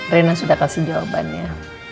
rena sudah kasih jawabannya